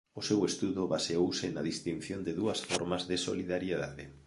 O seu estudo baseouse na distinción de dúas formas de solidariedade.